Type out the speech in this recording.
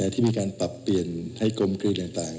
ที่มีการปรับเปลี่ยนให้กลมกลืนต่าง